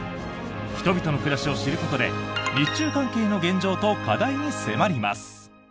人々の暮らしを知ることで日中関係の現状と課題に迫ります。